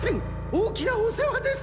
大きなお世話です！